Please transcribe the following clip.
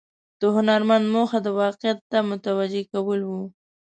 د هنرمند موخه د واقعیت ته متوجه کول و.